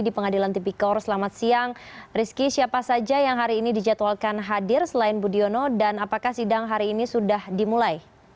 di pengadilan saksikan indonesia